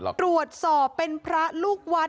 จากการตรวจสอบเป็นพระลูกวัด